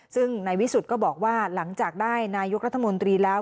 ซึ่งนายวิสุทธิ์ก็บอกว่าหลังจากได้นายกรัฐมนตรีแล้ว